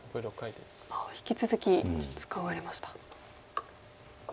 ああ引き続き使われました。